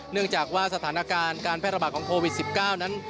เนื่องจากว่าสถานการณ์การแพร่ระบาดของโควิด๑๙นั้น